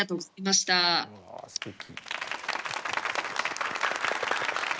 わあすてき。